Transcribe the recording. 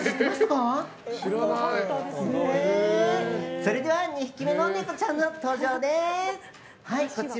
それでは２匹目のネコちゃんの登場です。